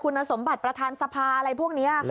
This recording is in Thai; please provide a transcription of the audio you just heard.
คุณสมบัติประธานสภาอะไรพวกนี้ค่ะคุณผู้ชม